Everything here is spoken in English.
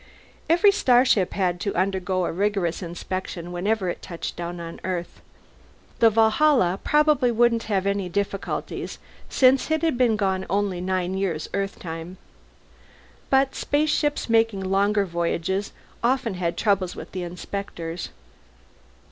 Every starship had to undergo a rigorous inspection whenever it touched down on Earth. The Valhalla probably wouldn't have any difficulties, since it had been gone only nine years Earthtime. But ships making longer voyages often had troubles with the inspectors.